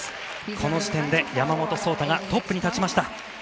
この時点で山本草太がトップに立ちました。